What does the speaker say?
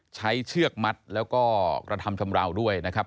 เชือกมัดแล้วก็กระทำชำราวด้วยนะครับ